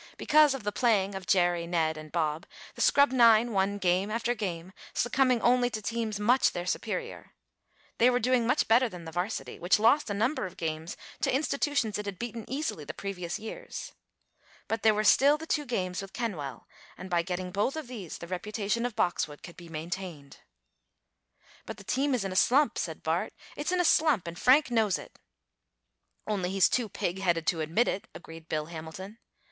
Because of the playing of Jerry, Ned and Bob the scrub nine won game after game, succumbing only to teams much their superior. They were doing much better than the varsity, which lost a number of games to institutions it had beaten easily the previous years. But there were still the two games with Kenwell, and by getting both of these the reputation of Boxwood could be maintained. "But the team is in a slump," said Bart. "It's in a slump, and Frank knows it." "Only he's too pig headed to admit it," agreed Bill Hamilton.